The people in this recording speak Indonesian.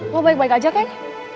lo baik baik aja kan